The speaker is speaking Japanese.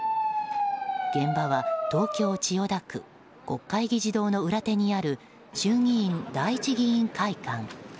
現場は東京・千代田区国会議事堂の裏手にある衆議院第一議員会館。